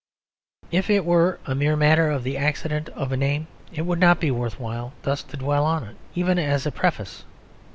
If it were a mere matter of the accident of a name it would not be worth while thus to dwell on it, even as a preface.